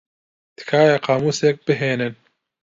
تکایە قامووسێک بھێنن.